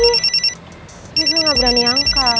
tapi dia nggak berani angkat